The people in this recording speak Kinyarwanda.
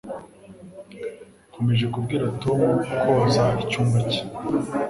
Nkomeje kubwira Tom koza icyumba cye.